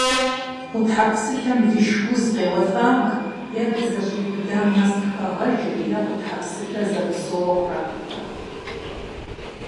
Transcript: Гъутхьэпсылъэм лышх уз къеуэлӏамэ, е абы зэщӏиубыдам нэс къыхагъэжыр, е гъутхьэпсылъэр зэрыпсоууэ кърахыпэ.